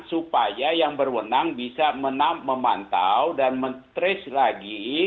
supaya yang berwenang bisa memantau dan men trace lagi